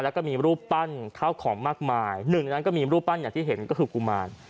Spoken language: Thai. แล้วก็มีรูปปั้นข้าวของมากมายหนึ่งในนั้นก็มีรูปปั้นอย่างที่เห็นก็คือกุมาร